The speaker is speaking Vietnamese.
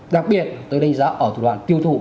đặc biệt tôi đánh giá ở thủ đoạn tiêu thụ